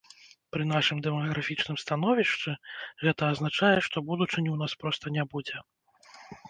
Пры нашым дэмаграфічным становішчы гэта азначае, што будучыні ў нас проста не будзе.